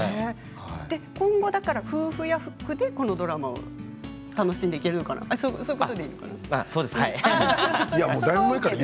今後、だから夫婦役でこのドラマ楽しんでいけるのかなそういうことでいいのかな。